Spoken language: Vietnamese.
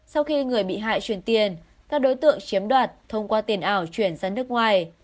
sau khi người bị hại chuyển tiền các đối tượng chiếm đoạt thông qua tiền ảo chuyển ra nước ngoài